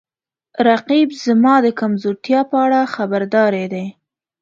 رقیب زما د کمزورتیاو په اړه خبرداری دی